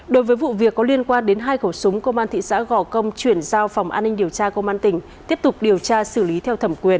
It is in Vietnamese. đối với vụ việc có liên quan đến hai khẩu súng công an thị xã gò công chuyển giao phòng an ninh điều tra công an tỉnh tiếp tục điều tra xử lý theo thẩm quyền